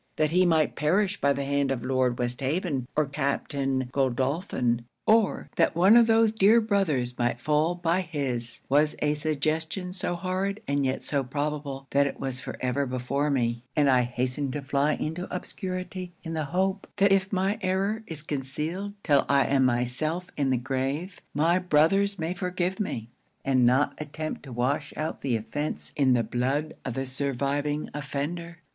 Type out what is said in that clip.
That he might perish by the hand of Lord Westhaven or Captain Godolphin, or that one of those dear brothers might fall by his, was a suggestion so horrid, and yet so probable, that it was for ever before me; and I hastened to fly into obscurity, in the hope, that if my error is concealed till I am myself in the grave, my brothers may forgive me, and not attempt to wash out the offence in the blood of the surviving offender.